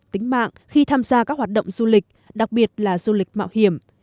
tính mạng khi tham gia các hoạt động du lịch đặc biệt là du lịch mạo hiểm